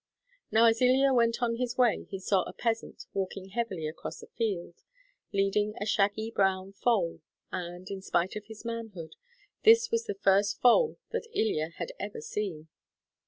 Now, as Ilya went on his way he saw a peasant walking heavily across a field, leading a shaggy brown foal, and, in spite of his manhood, this was the first foal that Ilya had ever seen.